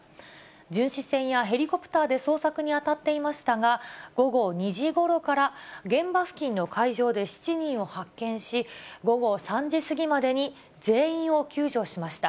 巡視船やヘリコプターで捜索に当たっていましたが、午後２時ごろから、現場付近の海上で７人を発見し、午後３時過ぎまでに全員を救助しました。